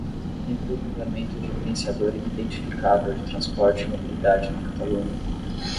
Inclui um elemento diferenciador e identificável de transporte e mobilidade na Catalunha.